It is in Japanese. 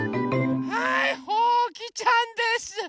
はいほうきちゃんです！